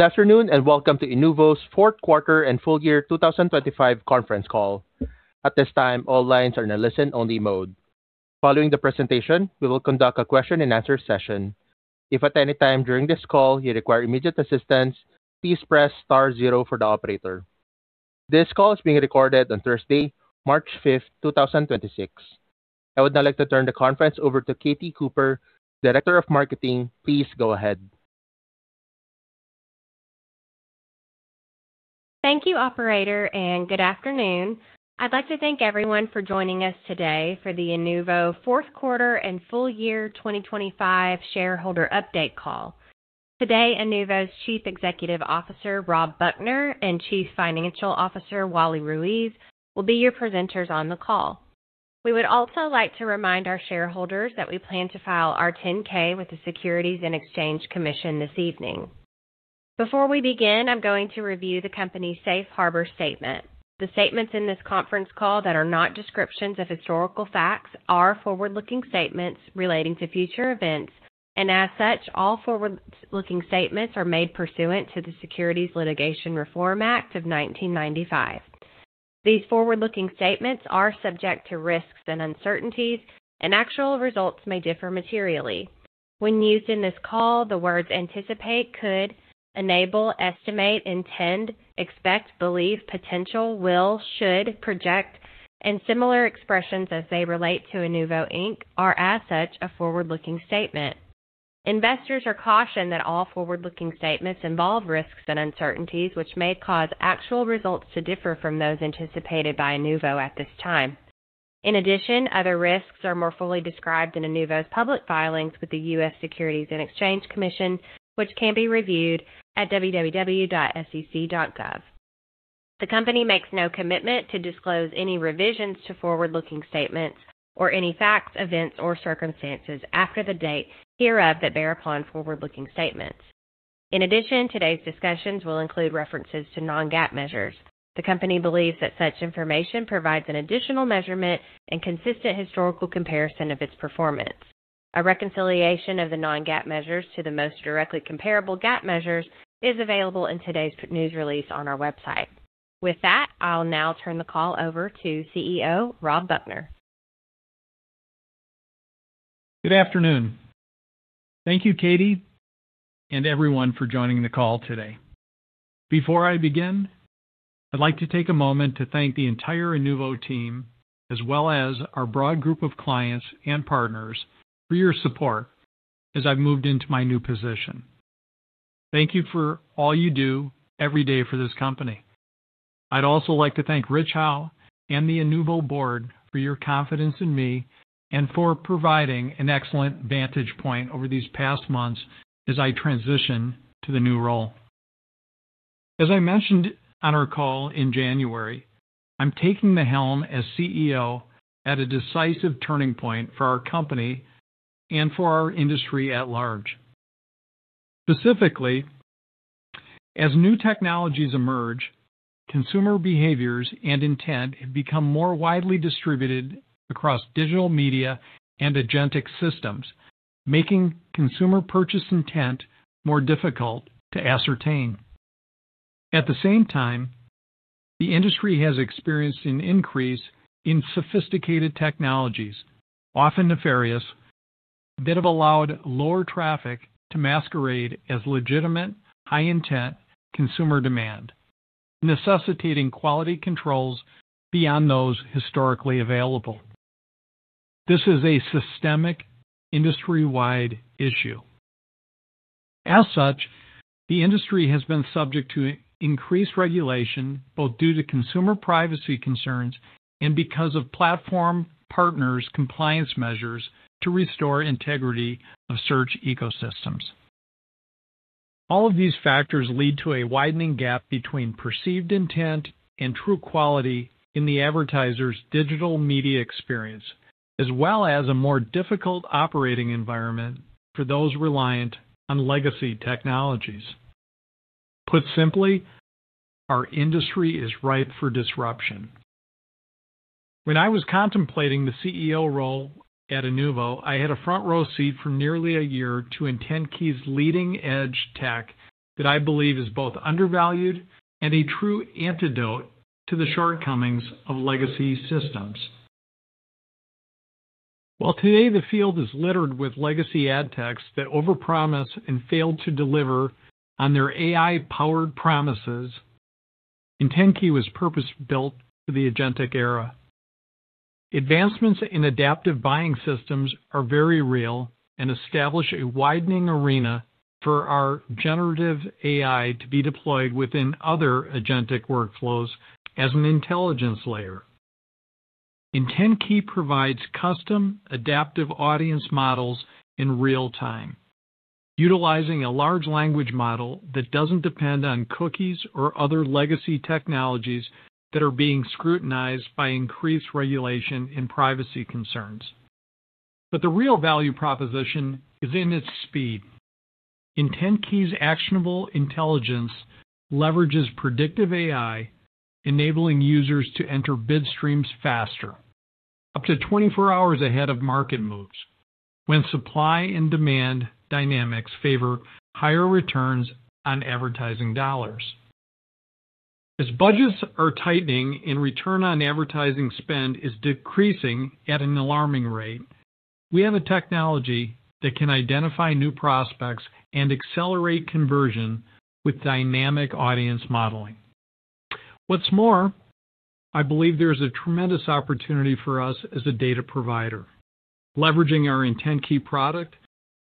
Good afternoon, and welcome to Inuvo's fourth quarter and full-year 2025 conference call. At this time, all lines are in a listen-only mode. Following the presentation, we will conduct a question and answer session. If at any time during this call you require immediate assistance, please press star zero for the operator. This call is being recorded on Thursday, March 5th, 2026. I would now like to turn the conference over to Katie Cooper, Director of Marketing. Please go ahead. Thank you operator, and good afternoon. I'd like to thank everyone for joining us today for the Inuvo fourth quarter and full-year 2025 shareholder update call. Today, Inuvo's Chief Executive Officer, Rob Buchner, and Chief Financial Officer, Wally Ruiz, will be your presenters on the call. We would also like to remind our shareholders that we plan to file our 10-K with the U.S. Securities and Exchange Commission this evening. Before we begin, I'm going to review the company's safe harbor statement. The statements in this conference call that are not descriptions of historical facts are forward-looking statements relating to future events. As such, all forward-looking statements are made pursuant to the Private Securities Litigation Reform Act of 1995. These forward-looking statements are subject to risks and uncertainties, and actual results may differ materially. When used in this call, the words anticipate, could, enable, estimate, intend, expect, believe, potential, will, should, project, and similar expressions as they relate to Inuvo, Inc., are as such a forward-looking statement. Investors are cautioned that all forward-looking statements involve risks and uncertainties which may cause actual results to differ from those anticipated by Inuvo at this time. Other risks are more fully described in Inuvo's public filings with the U.S. Securities and Exchange Commission, which can be reviewed at www.sec.gov. The company makes no commitment to disclose any revisions to forward-looking statements or any facts, events, or circumstances after the date hereof that bear upon forward-looking statements. Today's discussions will include references to non-GAAP measures. The company believes that such information provides an additional measurement and consistent historical comparison of its performance. A reconciliation of the non-GAAP measures to the most directly comparable GAAP measures is available in today's news release on our website. With that, I'll now turn the call over to CEO, Rob Buchner. Good afternoon. Thank you, Katie, and everyone for joining the call today. Before I begin, I'd like to take a moment to thank the entire Inuvo team as well as our broad group of clients and partners for your support as I've moved into my new position. Thank you for all you do every day for this company. I'd also like to thank Richard Howe and the Inuvo board for your confidence in me and for providing an excellent vantage point over these past months as I transition to the new role. As I mentioned on our call in January, I'm taking the helm as CEO at a decisive turning point for our company and for our industry at large. Specifically, as new technologies emerge, consumer behaviors and intent have become more widely distributed across digital media and agentic systems, making consumer purchase intent more difficult to ascertain. At the same time, the industry has experienced an increase in sophisticated technologies, often nefarious, that have allowed lower traffic to masquerade as legitimate, high intent consumer demand, necessitating quality controls beyond those historically available. This is a systemic industry-wide issue. As such, the industry has been subject to increased regulation, both due to consumer privacy concerns and because of platform partners' compliance measures to restore integrity of search ecosystems. All of these factors lead to a widening gap between perceived intent and true quality in the advertiser's digital media experience, as well as a more difficult operating environment for those reliant on legacy technologies. Put simply, our industry is ripe for disruption. When I was contemplating the CEO role at Inuvo, I had a front row seat for nearly a year to IntentKey's leading edge tech that I believe is both undervalued and a true antidote to the shortcomings of legacy systems. While today the field is littered with legacy ad techs that overpromise and fail to deliver on their AI-powered promises, IntentKey was purpose-built for the agentic era. Advancements in adaptive buying systems are very real and establish a widening arena for our generative AI to be deployed within other agentic workflows as an intelligence layer. IntentKey provides custom adaptive audience models in real time, utilizing a large language model that doesn't depend on cookies or other legacy technologies that are being scrutinized by increased regulation and privacy concerns. The real value proposition is in its speed. IntentKey's actionable intelligence leverages predictive AI, enabling users to enter bid streams faster. Up to 24 hours ahead of market moves when supply and demand dynamics favor higher returns on advertising dollars. Budgets are tightening and return on advertising spend is decreasing at an alarming rate, we have a technology that can identify new prospects and accelerate conversion with dynamic audience modeling. I believe there is a tremendous opportunity for us as a data provider. Leveraging our IntentKey product,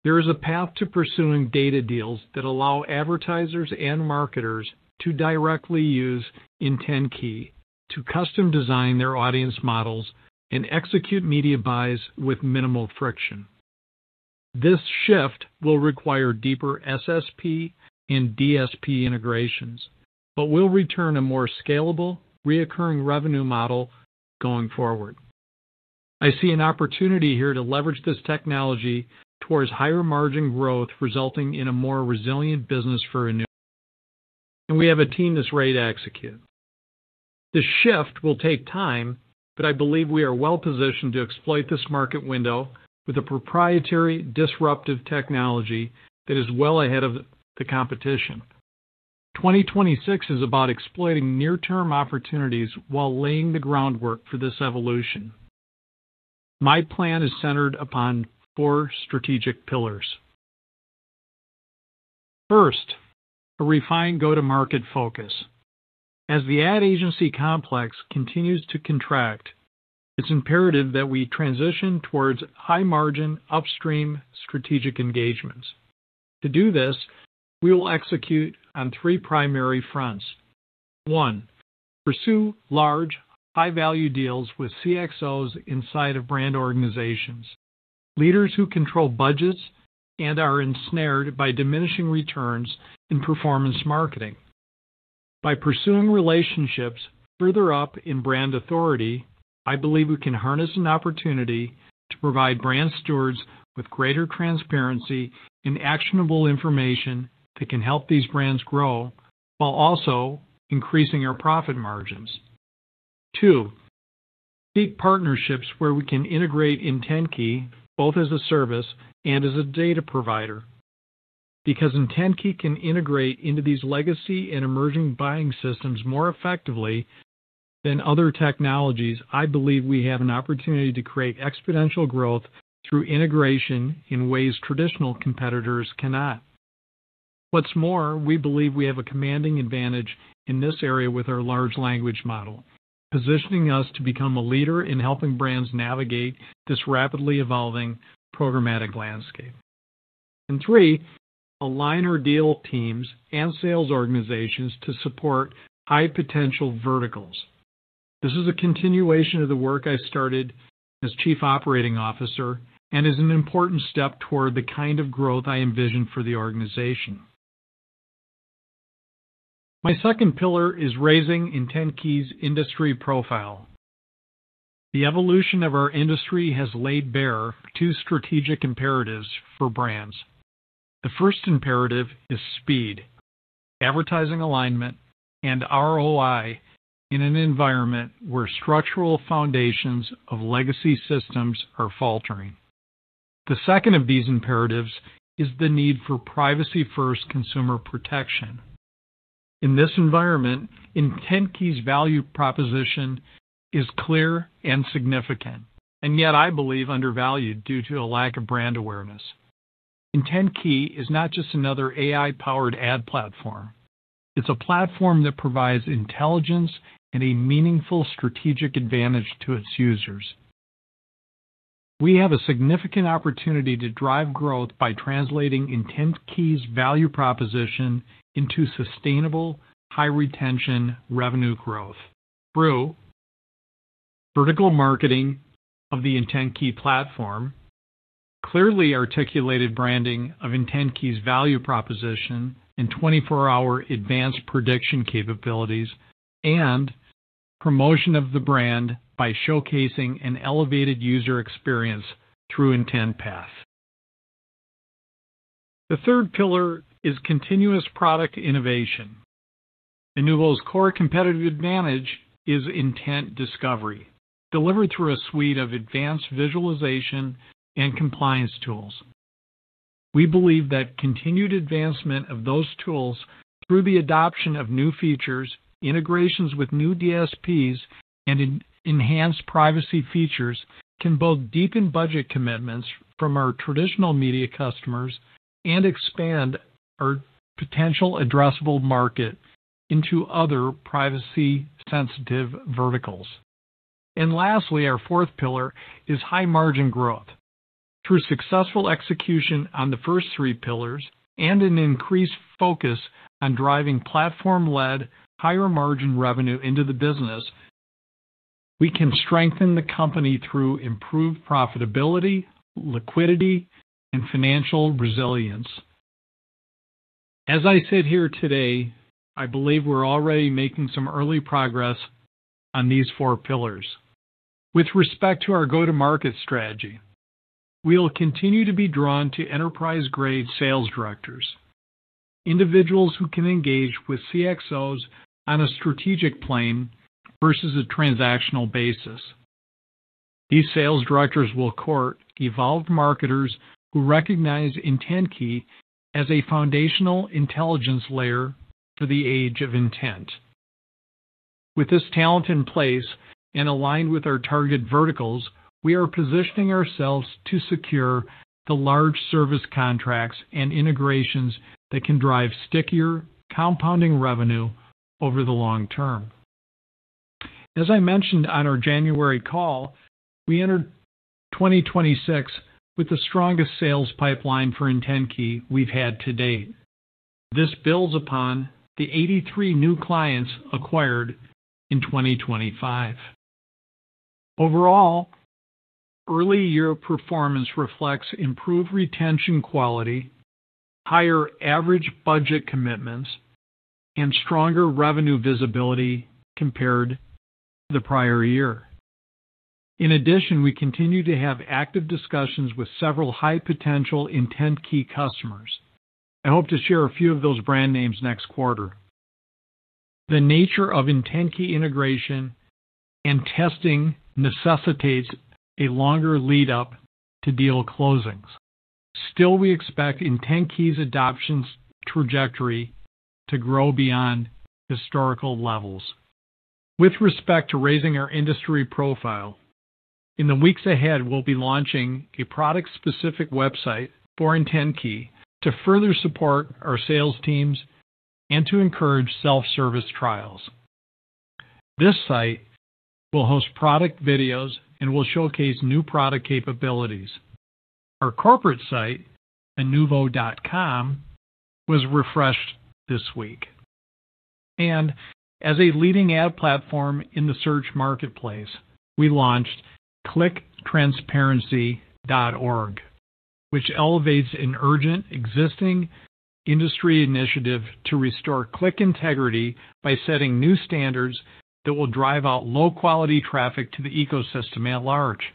there is a path to pursuing data deals that allow advertisers and marketers to directly use IntentKey to custom design their audience models and execute media buys with minimal friction. This shift will require deeper SSP and DSP integrations, but will return a more scalable, reoccurring revenue model going forward. I see an opportunity here to leverage this technology towards higher margin growth, resulting in a more resilient business for Inuvo. We have a team that's ready to execute. This shift will take time, but I believe we are well-positioned to exploit this market window with a proprietary disruptive technology that is well ahead of the competition. 2026 is about exploiting near-term opportunities while laying the groundwork for this evolution. My plan is centered upon four strategic pillars. First, a refined go-to-market focus. As the ad agency complex continues to contract, it's imperative that we transition towards high-margin, upstream strategic engagements. To do this, we will execute on three primary fronts. One, pursue large, high-value deals with CXOs inside of brand organizations, leaders who control budgets and are ensnared by diminishing returns in performance marketing. By pursuing relationships further up in brand authority, I believe we can harness an opportunity to provide brand stewards with greater transparency and actionable information that can help these brands grow while also increasing our profit margins. Two, seek partnerships where we can integrate IntentKey both as a service and as a data provider. Because IntentKey can integrate into these legacy and emerging buying systems more effectively than other technologies, I believe we have an opportunity to create exponential growth through integration in ways traditional competitors cannot. What's more, we believe we have a commanding advantage in this area with our large language model, positioning us to become a leader in helping brands navigate this rapidly evolving programmatic landscape. Three, align our deal teams and sales organizations to support high-potential verticals. This is a continuation of the work I started as Chief Operating Officer and is an important step toward the kind of growth I envision for the organization. My second pillar is raising IntentKey's industry profile. The evolution of our industry has laid bare two strategic imperatives for brands. The first imperative is speed, advertising alignment, and ROI in an environment where structural foundations of legacy systems are faltering. The second of these imperatives is the need for privacy-first consumer protection. In this environment, IntentKey's value proposition is clear and significant, and yet, I believe undervalued due to a lack of brand awareness. IntentKey is not just another AI-powered ad platform. It's a platform that provides intelligence and a meaningful strategic advantage to its users. We have a significant opportunity to drive growth by translating IntentKey's value proposition into sustainable, high-retention revenue growth through vertical marketing of the IntentKey platform, clearly articulated branding of IntentKey's value proposition, and 24-hour advanced prediction capabilities, and promotion of the brand by showcasing an elevated user experience through IntentPath. The third pillar is continuous product innovation. Inuvo's core competitive advantage is intent discovery, delivered through a suite of advanced visualization and compliance tools. We believe that continued advancement of those tools through the adoption of new features, integrations with new DSPs, and enhanced privacy features can both deepen budget commitments from our traditional media customers and expand our potential addressable market into other privacy-sensitive verticals. Lastly, our fourth pillar is high-margin growth. Through successful execution on the first three pillars and an increased focus on driving platform-led higher-margin revenue into the business, we can strengthen the company through improved profitability, liquidity, and financial resilience. As I sit here today, I believe we're already making some early progress on these four pillars. With respect to our go-to-market strategy, we will continue to be drawn to enterprise-grade sales directors, individuals who can engage with CXOs on a strategic plane versus a transactional basis. These sales directors will court evolved marketers who recognize IntentKey as a foundational intelligence layer for the age of intent. With this talent in place and aligned with our target verticals, we are positioning ourselves to secure the large service contracts and integrations that can drive stickier compounding revenue over the long term. As I mentioned on our January call, we entered 2026 with the strongest sales pipeline for IntentKey we've had to date. This builds upon the 83 new clients acquired in 2025. Overall, early year performance reflects improved retention quality, higher average budget commitments, and stronger revenue visibility compared to the prior year. We continue to have active discussions with several high-potential IntentKey customers. I hope to share a few of those brand names next quarter. The nature of IntentKey integration and testing necessitates a longer lead-up to deal closings. We expect IntentKey's adoptions trajectory to grow beyond historical levels. With respect to raising our industry profile, in the weeks ahead, we'll be launching a product-specific website for IntentKey to further support our sales teams and to encourage self-service trials. This site will host product videos and will showcase new product capabilities. Our corporate site, inuvo.com, was refreshed this week. As a leading ad platform in the search marketplace, we launched clicktransparency.org, which elevates an urgent existing industry initiative to restore click integrity by setting new standards that will drive out low-quality traffic to the ecosystem at large.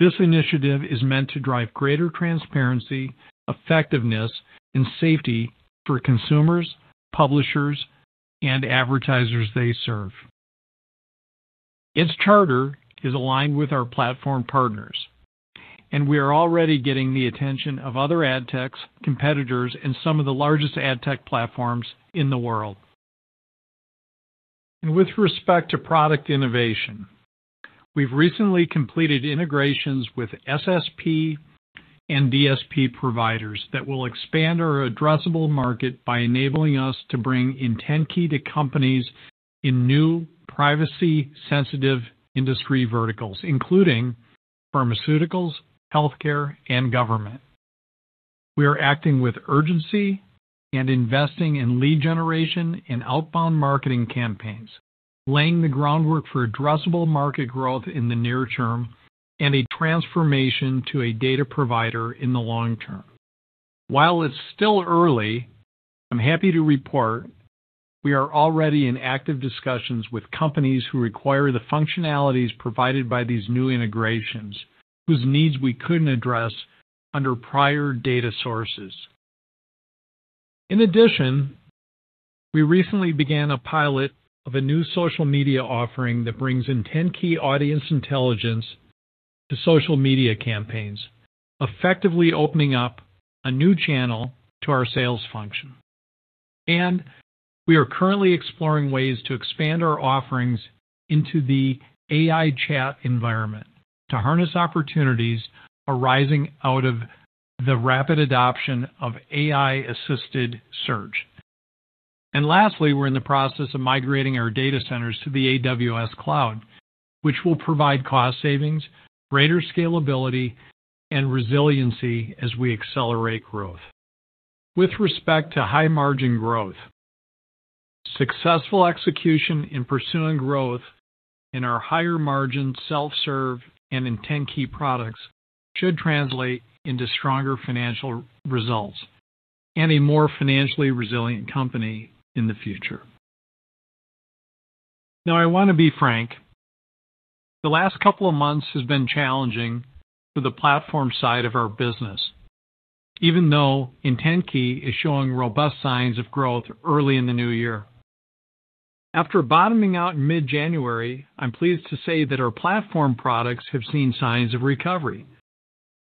This initiative is meant to drive greater transparency, effectiveness, and safety for consumers, publishers, and advertisers they serve. Its charter is aligned with our platform partners, and we are already getting the attention of other ad techs, competitors, and some of the largest ad tech platforms in the world. With respect to product innovation, we've recently completed integrations with SSP and DSP providers that will expand our addressable market by enabling us to bring IntentKey to companies in new privacy-sensitive industry verticals, including pharmaceuticals, healthcare, and government. We are acting with urgency and investing in lead generation and outbound marketing campaigns, laying the groundwork for addressable market growth in the near term and a transformation to a data provider in the long term. While it's still early, I'm happy to report we are already in active discussions with companies who require the functionalities provided by these new integrations, whose needs we couldn't address under prior data sources. In addition, we recently began a pilot of a new social media offering that brings IntentKey audience intelligence to social media campaigns, effectively opening up a new channel to our sales function. We are currently exploring ways to expand our offerings into the AI chat environment to harness opportunities arising out of the rapid adoption of AI-assisted search. Lastly, we're in the process of migrating our data centers to the AWS cloud, which will provide cost savings, greater scalability, and resiliency as we accelerate growth. With respect to high-margin growth, successful execution in pursuing growth in our higher-margin self-serve and IntentKey products should translate into stronger financial results and a more financially resilient company in the future. I want to be frank. The last couple of months has been challenging for the platform side of our business, even though IntentKey is showing robust signs of growth early in the new year. After bottoming out in mid-January, I'm pleased to say that our platform products have seen signs of recovery.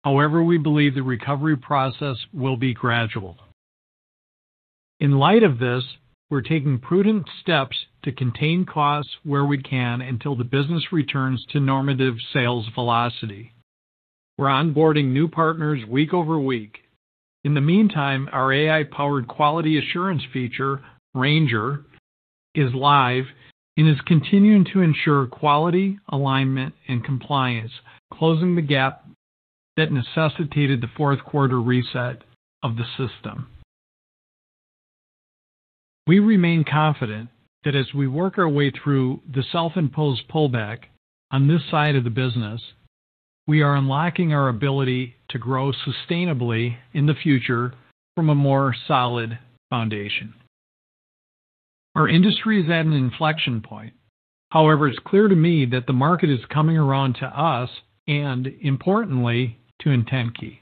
We believe the recovery process will be gradual. In light of this, we're taking prudent steps to contain costs where we can until the business returns to normative sales velocity. We're onboarding new partners week over week. In the meantime, our AI-powered quality assurance feature, Ranger, is live and is continuing to ensure quality, alignment, and compliance, closing the gap that necessitated the fourth quarter reset of the system. We remain confident that as we work our way through the self-imposed pullback on this side of the business, we are unlocking our ability to grow sustainably in the future from a more solid foundation. Our industry is at an inflection point. It's clear to me that the market is coming around to us and importantly, to IntentKey.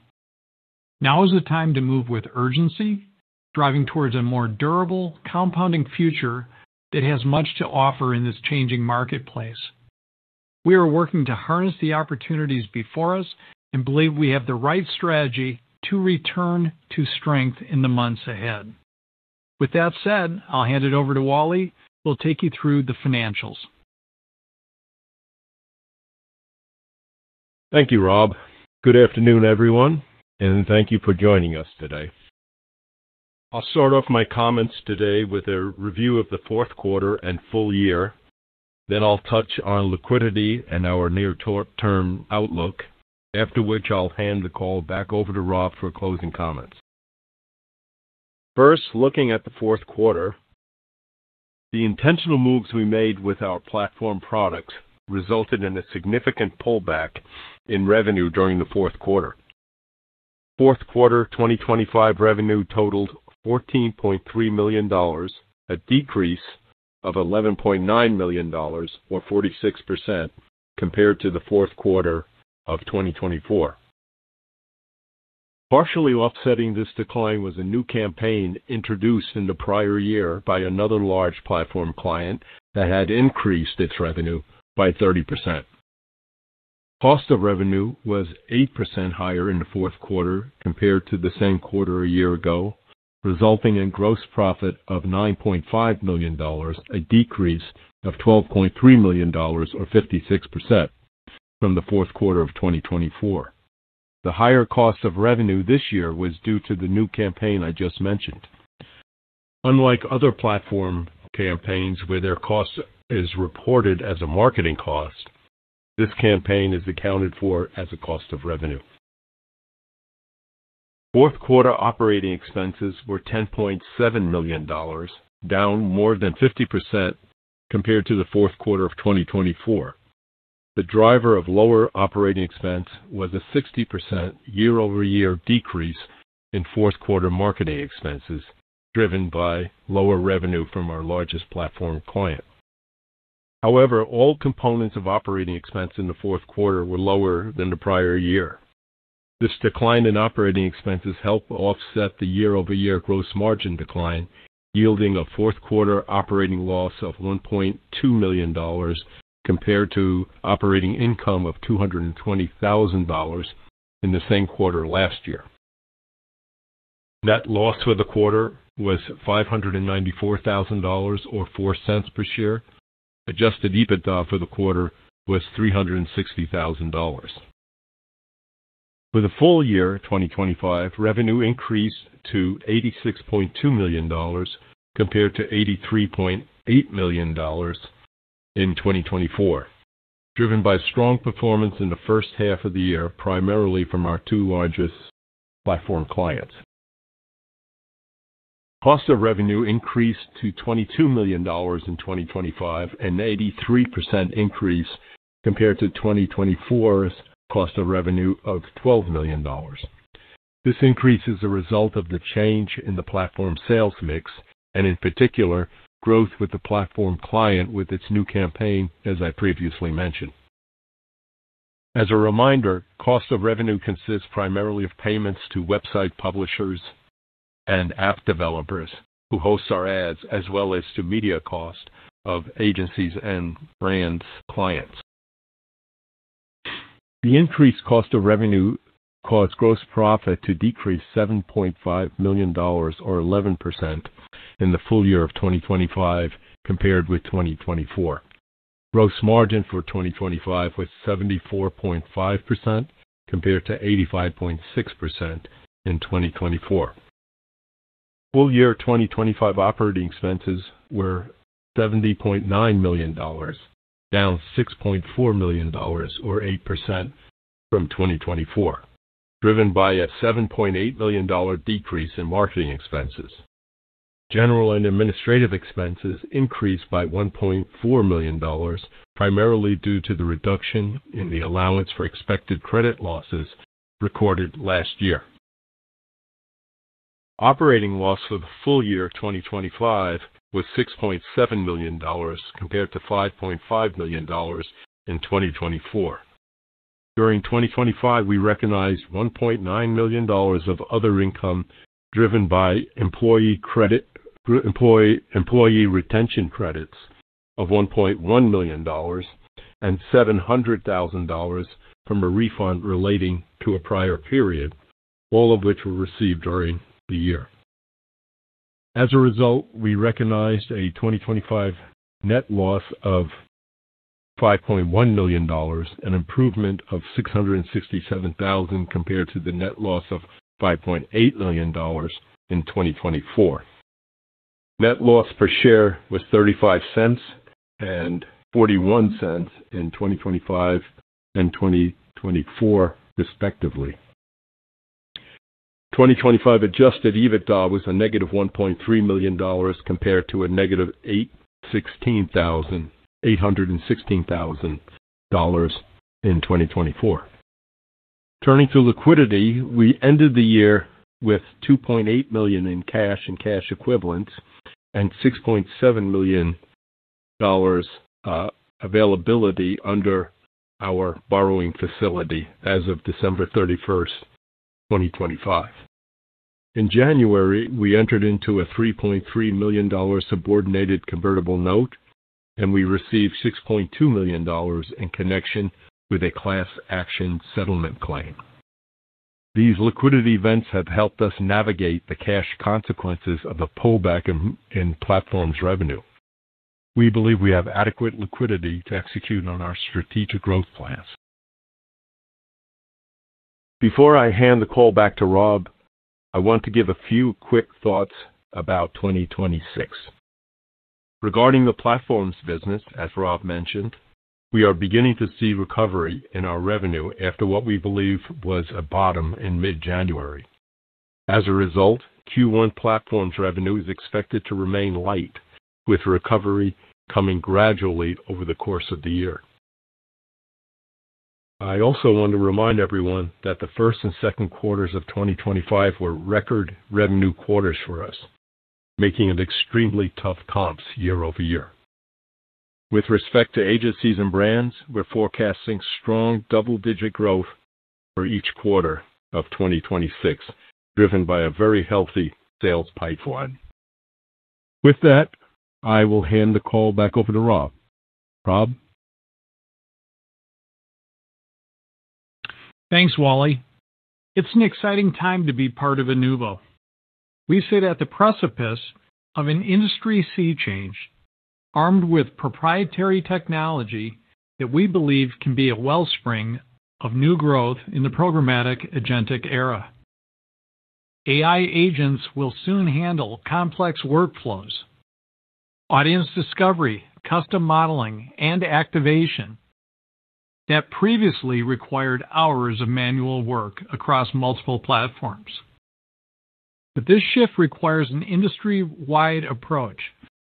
Now is the time to move with urgency, driving towards a more durable compounding future that has much to offer in this changing marketplace. We are working to harness the opportunities before us and believe we have the right strategy to return to strength in the months ahead. With that said, I'll hand it over to Wally, who will take you through the financials. Thank you, Rob. Good afternoon, everyone, thank you for joining us today. I'll start off my comments today with a review of the fourth quarter and full-year. I'll touch on liquidity and our near-term outlook, after which I'll hand the call back over to Rob for closing comments. First, looking at the fourth quarter, the intentional moves we made with our platform products resulted in a significant pullback in revenue during the fourth quarter. Fourth quarter 2025 revenue totaled $14.3 million, a decrease of $11.9 million or 46% compared to the fourth quarter of 2024. Partially offsetting this decline was a new campaign introduced in the prior year by another large platform client that had increased its revenue by 30%. Cost of revenue was 8% higher in the fourth quarter compared to the same quarter a year ago, resulting in gross profit of $9.5 million, a decrease of $12.3 million or 56% from the fourth quarter of 2024. The higher cost of revenue this year was due to the new campaign I just mentioned. Unlike other platform campaigns where their cost is reported as a marketing cost, this campaign is accounted for as a cost of revenue. Fourth quarter operating expenses were $10.7 million, down more than 50% compared to the fourth quarter of 2024. The driver of lower operating expense was a 60% year-over-year decrease in fourth quarter marketing expenses, driven by lower revenue from our largest platform client. However, all components of operating expense in the fourth quarter were lower than the prior year. This decline in operating expenses helped offset the year-over-year gross margin decline, yielding a fourth quarter operating loss of $1.2 million compared to operating income of $220,000 in the same quarter last year. Net loss for the quarter was $594,000 or $0.04 per share. Adjusted EBITDA for the quarter was $360,000. For the full-year 2025, revenue increased to $86.2 million compared to $83.8 million in 2024, driven by strong performance in the first half of the year, primarily from our two largest platforms clients. Cost of revenue increased to $22 million in 2025, an 83% increase compared to 2024's cost of revenue of $12 million. This increase is a result of the change in the platform sales mix and in particular, growth with the platform client with its new campaign, as I previously mentioned. As a reminder, cost of revenue consists primarily of payments to website publishers and app developers who host our ads as well as to media cost of agencies and brands clients. The increased cost of revenue caused gross profit to decrease $7.5 million or 11% in the full-year of 2025 compared with 2024. Gross margin for 2025 was 74.5% compared to 85.6% in 2024. Full-year 2025 operating expenses were $70.9 million, down $6.4 million or 8% from 2024, driven by a $7.8 million decrease in marketing expenses. General and administrative expenses increased by $1.4 million, primarily due to the reduction in the allowance for expected credit losses recorded last year. Operating loss for the full-year of 2025 was $6.7 million compared to $5.5 million in 2024. During 2025, we recognized $1.9 million of other income driven by Employee Retention Credits of $1.1 million and $700,000 from a refund relating to a prior period, all of which were received during the year. As a result, we recognized a 2025 net loss of $5.1 million, an improvement of $667,000 compared to the net loss of $5.8 million in 2024. Net loss per share was $0.35 and $0.41 in 2025 and 2024 respectively. 2025 adjusted EBITDA was a negative $1.3 million compared to a negative $816,000 in 2024. Turning to liquidity, we ended the year with $2.8 million in cash and cash equivalents and $6.7 million availability under our borrowing facility as of December 31st, 2025. In January, we entered into a $3.3 million subordinated convertible note, and we received $6.2 million in connection with a class action settlement claim. These liquidity events have helped us navigate the cash consequences of a pullback in platforms revenue. We believe we have adequate liquidity to execute on our strategic growth plans. Before I hand the call back to Rob, I want to give a few quick thoughts about 2026. Regarding the platforms business, as Rob mentioned, we are beginning to see recovery in our revenue after what we believe was a bottom in mid-January. As a result, Q1 platforms revenue is expected to remain light, with recovery coming gradually over the course of the year. I also want to remind everyone that the first and second quarters of 2025 were record revenue quarters for us, making it extremely tough comps year-over-year. With respect to agencies and brands, we're forecasting strong double-digit growth for each quarter of 2026, driven by a very healthy sales pipeline. With that, I will hand the call back over to Rob. Rob? Thanks, Wally. It's an exciting time to be part of Inuvo. We sit at the precipice of an industry sea change armed with proprietary technology that we believe can be a wellspring of new growth in the programmatic agentic era. AI agents will soon handle complex workflows, audience discovery, custom modeling, and activation that previously required hours of manual work across multiple platforms. This shift requires an industry-wide approach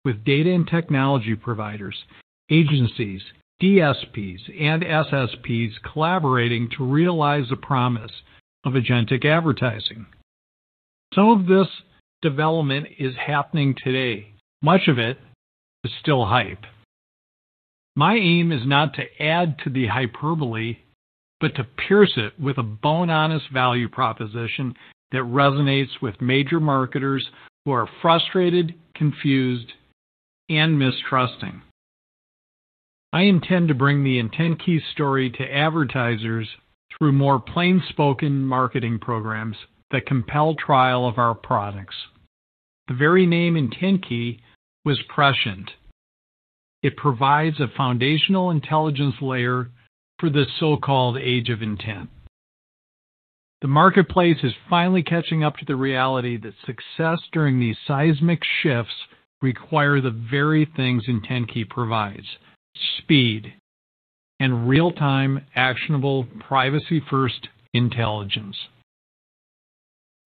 with data and technology providers, agencies, DSPs, and SSPs collaborating to realize the promise of agentic advertising. Some of this development is happening today. Much of it is still hype. My aim is not to add to the hyperbole, but to pierce it with a bone-honest value proposition that resonates with major marketers who are frustrated, confused, and mistrusting. I intend to bring the IntentKey story to advertisers through more plain-spoken marketing programs that compel trial of our products. The very name IntentKey was prescient. It provides a foundational intelligence layer for the so-called age of intent. The marketplace is finally catching up to the reality that success during these seismic shifts require the very things IntentKey provides: speed and real-time, actionable, privacy-first intelligence.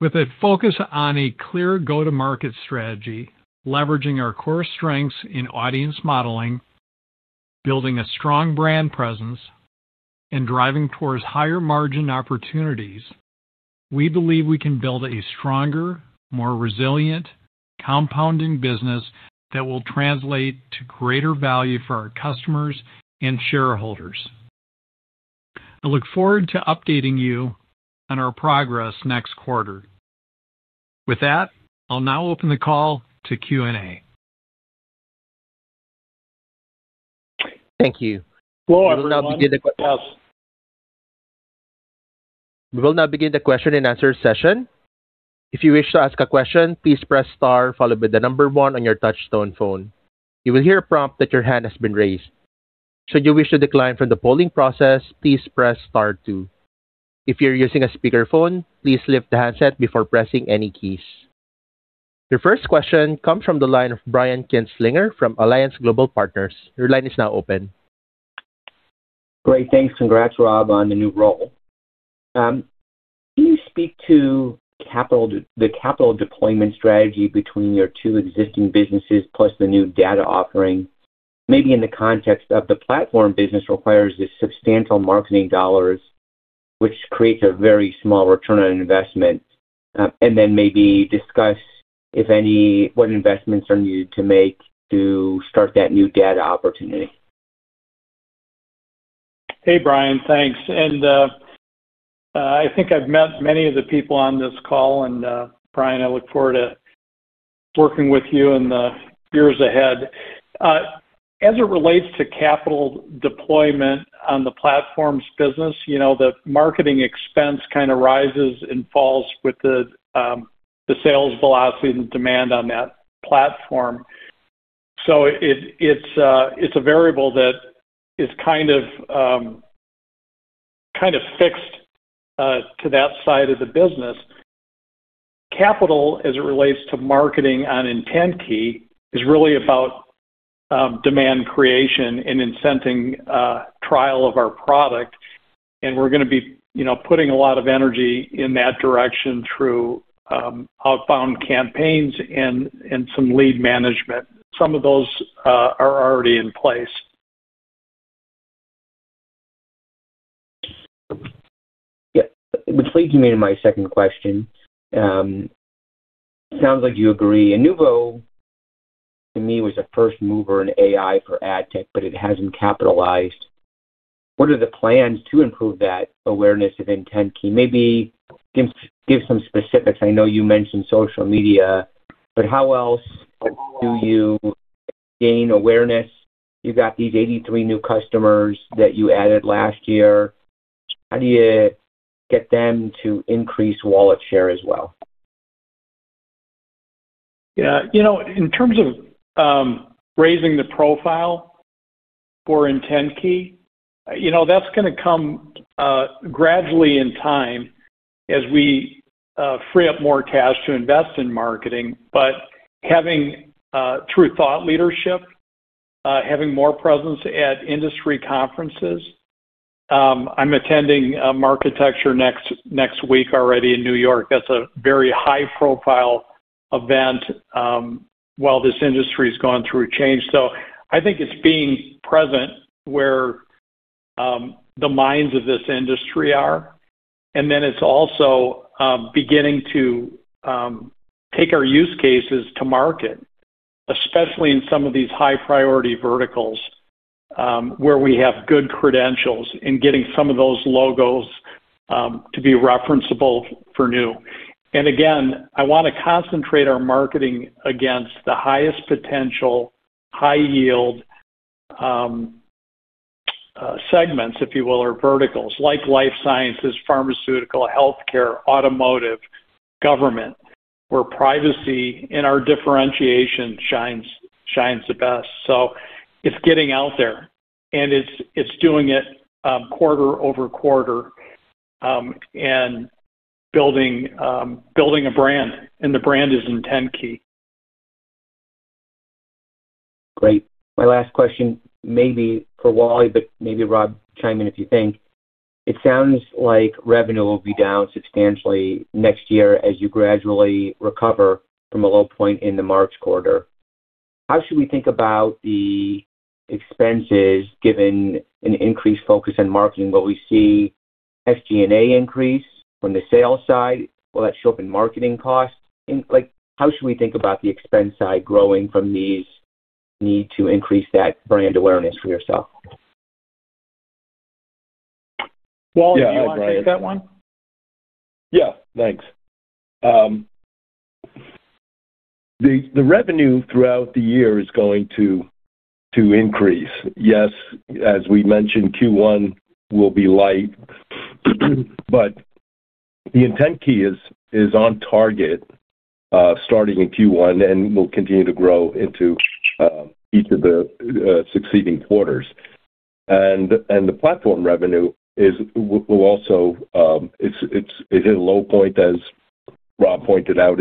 With a focus on a clear go-to-market strategy, leveraging our core strengths in audience modeling, building a strong brand presence, and driving towards higher margin opportunities, we believe we can build a stronger, more resilient compounding business that will translate to greater value for our customers and shareholders. I look forward to updating you on our progress next quarter. With that, I'll now open the call to Q&A. Thank you. We will now begin the question and answer session. If you wish to ask a question, please press star followed by one on your touch-tone phone. You will hear a prompt that your hand has been raised. Should you wish to decline from the polling process, please press star two. If you're using a speakerphone, please lift the handset before pressing any keys. Your first question comes from the line of Brian Kinstlinger from Alliance Global Partners. Your line is now open. Great. Thanks. Congrats, Rob, on the new role. Can you speak to the capital deployment strategy between your two existing businesses plus the new data offering? Maybe in the context of the platform business requires the substantial marketing dollars, which creates a very small return on investment. Then maybe discuss, if any, what investments are needed to make to start that new data opportunity. Hey, Brian, thanks. I think I've met many of the people on this call. Brian, I look forward to working with you in the years ahead. As it relates to capital deployment on the platforms business, you know, the marketing expense kind of rises and falls with the sales velocity and demand on that platform. It, it's a variable that is kind of, kind of fixed to that side of the business. Capital, as it relates to marketing on IntentKey, is really about demand creation and incenting trial of our product. We're gonna be, you know, putting a lot of energy in that direction through outbound campaigns and some lead management. Some of those are already in place. Yeah. Which leads me to my second question. Sounds like you agree. Inuvo, to me, was a first mover in AI for AdTech, but it hasn't capitalized. What are the plans to improve that awareness of IntentKey? Maybe give some specifics. I know you mentioned social media, but how else do you gain awareness? You got these 83 new customers that you added last year. How do you get them to increase wallet share as well? Yeah. You know, in terms of raising the profile for IntentKey, you know, that's gonna come gradually in time as we free up more cash to invest in marketing. Having through thought leadership, having more presence at industry conferences. I'm attending Architecture Next next week already in New York. That's a very high-profile event while this industry's gone through change. I think it's being present where the minds of this industry are. It's also beginning to take our use cases to market, especially in some of these high-priority verticals, where we have good credentials in getting some of those logos to be referenceable for new. Again, I wanna concentrate our marketing against the highest potential, high yield segments, if you will, or verticals like life sciences, pharmaceutical, healthcare, automotive, government, where privacy and our differentiation shines the best. It's getting out there, and it's doing it quarter-over-quarter, and building a brand, and the brand is IntentKey. Great. My last question may be for Wally, but maybe Rob chime in if you think. It sounds like revenue will be down substantially next year as you gradually recover from a low point in the March quarter. How should we think about the expenses given an increased focus on marketing? Will we see SG&A increase from the sales side? Will that show up in marketing costs? Like, how should we think about the expense side growing from these need to increase that brand awareness for yourself? Wally, do you want to take that one? Yeah, thanks. The revenue throughout the year is going to increase. Yes, as we mentioned, Q1 will be light, but the IntentKey is on target, starting in Q1 and will continue to grow into each of the succeeding quarters. The platforms revenue will also, it's in low point, as Rob pointed out,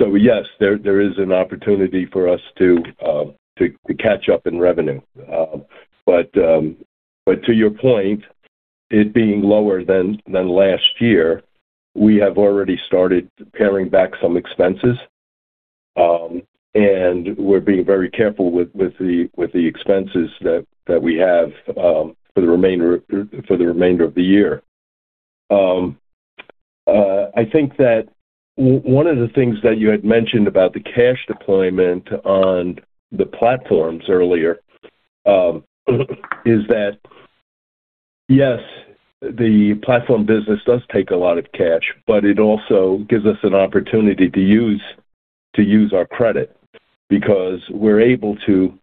in January and is ramping up now. Yes, there is an opportunity for us to catch up in revenue. But to your point, it being lower than last year, we have already started paring back some expenses, and we're being very careful with the expenses that we have for the remainder of the year. I think that one of the things that you had mentioned about the cash deployment on the platforms earlier, is that, yes, the platform business does take a lot of cash, but it also gives us an opportunity to use our credit because we're able to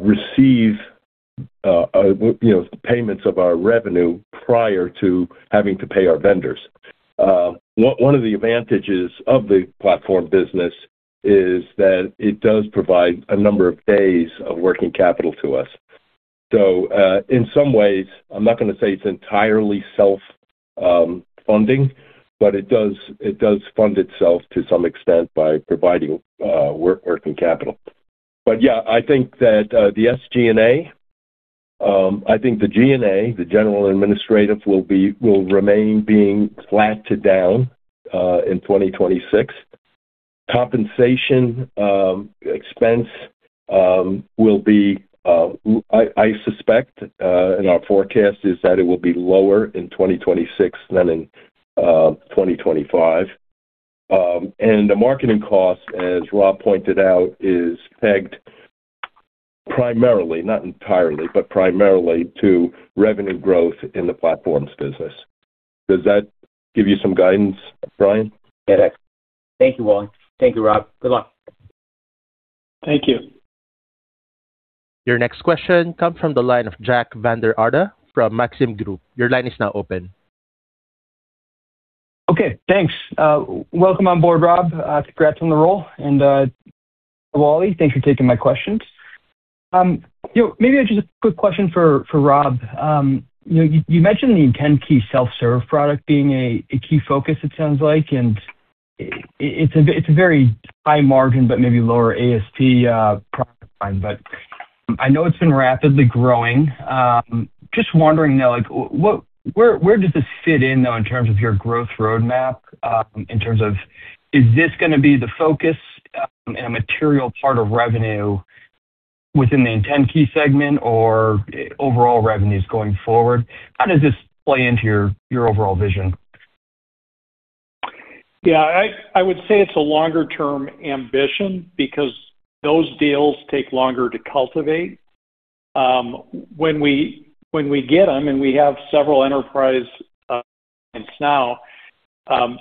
receive, you know, payments of our revenue prior to having to pay our vendors. One of the advantages of the platform business is that it does provide a number of days of working capital to us. In some ways, I'm not gonna say it's entirely self-funding, but it does fund itself to some extent by providing working capital. Yeah, I think that the SG&A, I think the G&A, the general administrative will remain being flat to down in 2026. Compensation expense will be, I suspect, and our forecast is that it will be lower in 2026 than in 2025. The marketing cost, as Rob pointed out, is pegged primarily, not entirely, but primarily to revenue growth in the platforms business. Does that give you some guidance, Brian? Yeah. Thank you, Wally. Thank you, Rob. Good luck. Thank you. Your next question comes from the line of Jack Vander Aarde from Maxim Group. Your line is now open. Okay, thanks. Welcome on board, Rob. Congrats on the role. Wally, thanks for taking my questions. You know, maybe just a quick question for Rob. You know, you mentioned the IntentKey self-serve product being a key focus it sounds like. It's a very high margin, but maybe lower ASP product line, but I know it's been rapidly growing. Just wondering, though, like, where does this fit in, though, in terms of your growth roadmap, in terms of is this gonna be the focus, and a material part of revenue within the IntentKey segment or overall revenues going forward? How does this play into your overall vision? Yeah, I would say it's a longer-term ambition because those deals take longer to cultivate. When we get them, and we have several enterprise clients now,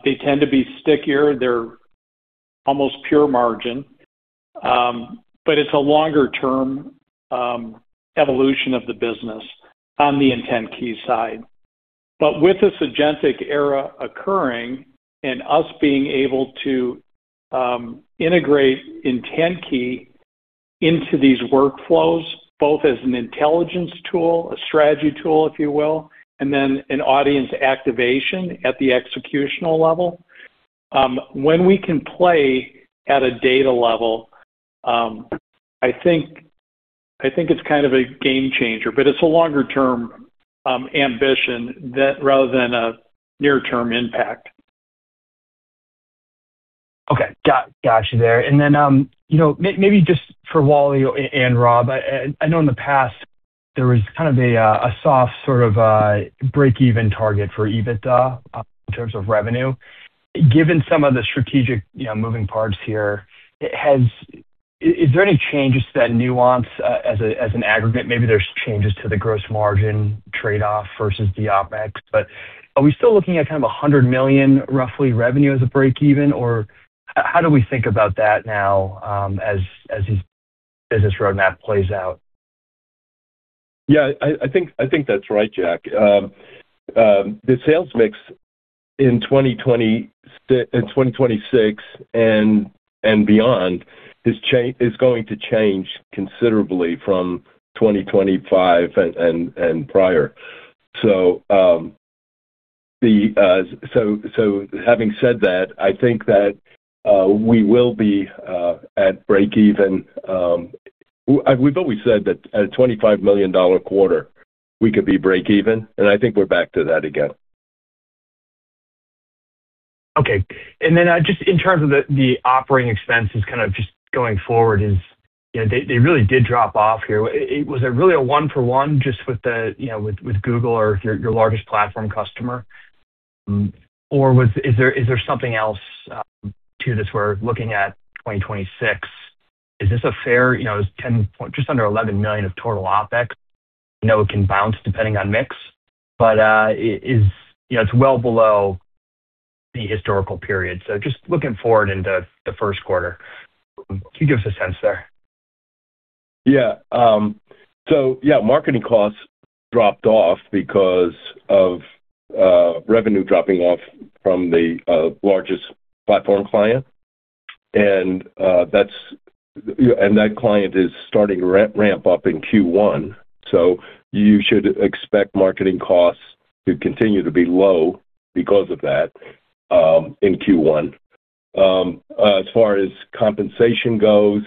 they tend to be stickier. They're almost pure margin. It's a longer-term evolution of the business on the IntentKey side. With the agentic era occurring and us being able to integrate IntentKey into these workflows, both as an intelligence tool, a strategy tool, if you will, and then an audience activation at the executional level. When we can play at a data level, I think it's kind of a game changer, but it's a longer-term ambition rather than a near-term impact. Okay. Got you there. You know, maybe just for Wally and Rob, I know in the past there was kind of a soft sort of breakeven target for EBITDA in terms of revenue. Given some of the strategic, you know, moving parts here, is there any changes to that nuance as a, as an aggregate? Maybe there's changes to the gross margin trade-off versus the OpEx. Are we still looking at kind of $100 million, roughly revenue as a breakeven? How do we think about that now as this business roadmap plays out? I think that's right, Jack. The sales mix in 2026 and beyond is going to change considerably from 2025 and prior. Having said that, I think that we will be at breakeven. We've always said that at a $25 million quarter we could be breakeven, and I think we're back to that again. Okay. Just in terms of the operating expenses kind of just going forward is, you know, they really did drop off here. Was there really a one for one just with the, you know, with Google or your largest platform customer? Is there something else to this we're looking at 2026? Is this a fair, you know, just under $11 million of total OpEx? I know it can bounce depending on mix, but, is, you know, it's well below the historical period. Just looking forward into the first quarter, can you give us a sense there? Yeah. Marketing costs dropped off because of revenue dropping off from the largest platform client. That client is starting ramp up in Q1, you should expect marketing costs to continue to be low because of that in Q1. As far as compensation goes,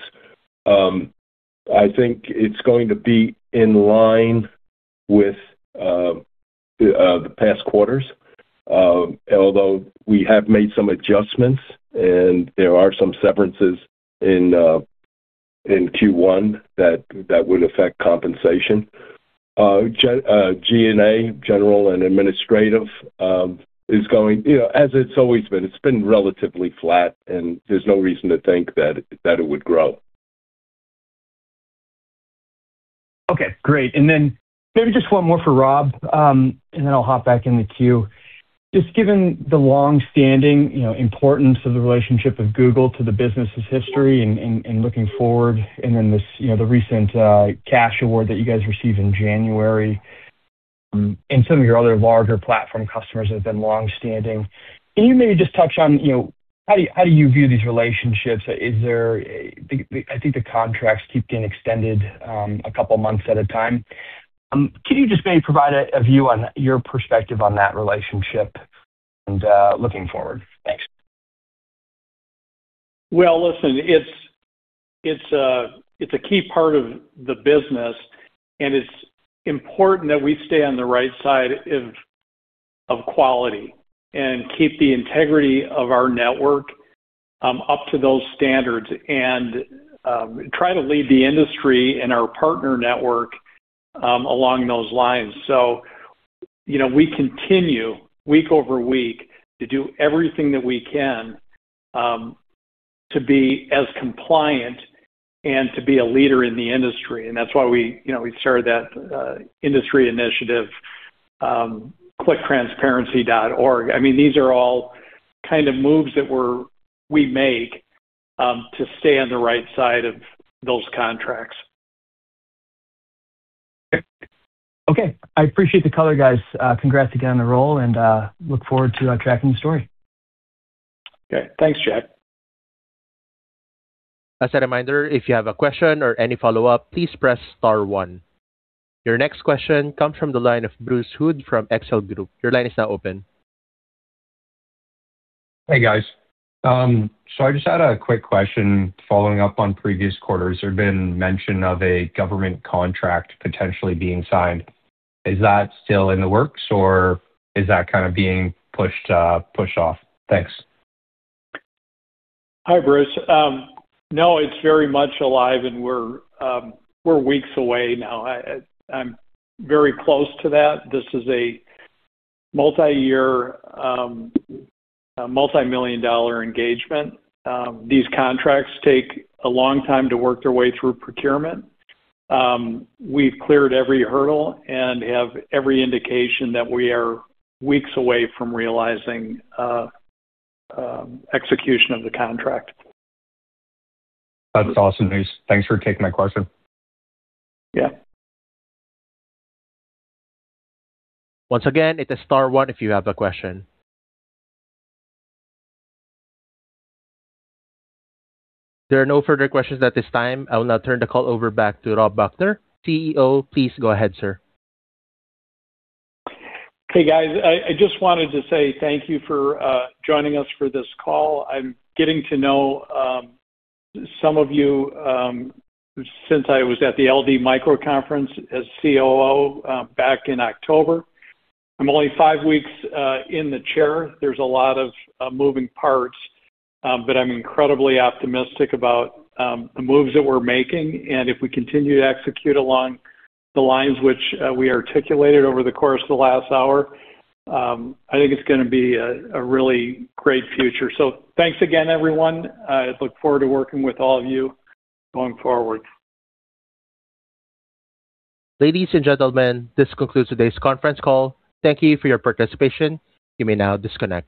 I think it's going to be in line with the past quarters, although we have made some adjustments, and there are some severances in Q1 that would affect compensation. G&A, general and administrative, is going, you know, as it's always been. It's been relatively flat, and there's no reason to think that it would grow. Okay, great. Then maybe just one more for Rob, and then I'll hop back in the queue. Just given the long-standing, you know, importance of the relationship of Google to the business's history and looking forward and then this, you know, the recent cash award that you guys received in January, and some of your other larger platform customers have been longstanding. Can you maybe just touch on, you know, how do you view these relationships? I think the contracts keep getting extended, a couple months at a time. Can you just maybe provide a view on your perspective on that relationship and looking forward? Thanks. Well, listen, it's a, it's a key part of the business, and it's important that we stay on the right side of quality and keep the integrity of our network, up to those standards and, try to lead the industry and our partner network, along those lines. You know, we continue week over week to do everything that we can, to be as compliant and to be a leader in the industry. That's why we, you know, we started that, industry initiative, clicktransparency.org. I mean, these are all kind of moves that we make, to stay on the right side of those contracts. Okay. I appreciate the color, guys. Congrats again on the role and look forward to tracking the story. Okay. Thanks, Jack. As a reminder, if you have a question or any follow-up, please press star one. Your next question comes from the line of Bruce Hood from Excel Group. Your line is now open. Hey, guys. I just had a quick question following up on previous quarters. There had been mention of a government contract potentially being signed. Is that still in the works, or is that kind of being pushed off? Thanks. Hi, Bruce. No, it's very much alive and we're weeks away now. I'm very close to that. This is a multi-year, a multi-million dollar engagement. These contracts take a long time to work their way through procurement. We've cleared every hurdle and have every indication that we are weeks away from realizing execution of the contract. That's awesome news. Thanks for taking my question. Yeah. Once again, it is star one if you have a question. There are no further questions at this time. I will now turn the call over back to Rob Buchner, CEO. Please go ahead, sir. Hey, guys. I just wanted to say thank you for joining us for this call. I'm getting to know some of you since I was at the LD Micro Conference as COO back in October. I'm only five weeks in the chair. There's a lot of moving parts, but I'm incredibly optimistic about the moves that we're making. If we continue to execute along the lines which we articulated over the course of the last hour, I think it's gonna be a really great future. Thanks again, everyone. I look forward to working with all of you going forward. Ladies and gentlemen, this concludes today's conference call. Thank you for your participation. You may now disconnect.